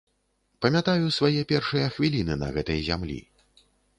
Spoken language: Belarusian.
Памятаю свае першыя хвіліны на гэтай зямлі.